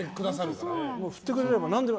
振ってくれれば何でも。